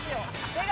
出川！